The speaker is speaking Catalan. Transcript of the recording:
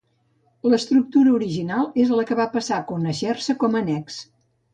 L'estructura original és el que va passar a conèixer-se com a annex.